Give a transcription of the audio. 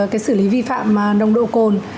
cái xử lý vi phạm nồng độ khổn